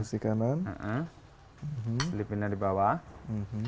selipin dari bawah